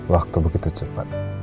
waktu begitu cepat